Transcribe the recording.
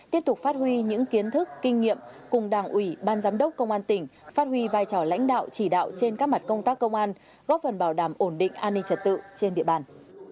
tiếp tục phát huy những kiến thức kinh nghiệm cùng đảng ủy ban giám đốc công an tỉnh phát huy vai trò lãnh đạo chỉ đạo trên các mặt công tác công an góp phần bảo đảm ổn định an ninh trật tự trên địa bàn